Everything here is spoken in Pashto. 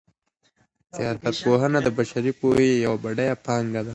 سياست پوهنه د بشري پوهې يوه بډايه پانګه ده.